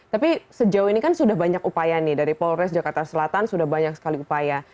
tapi sejauh ini kan sudah banyak upaya nih dari polres jakarta selatan sudah banyak sekali upaya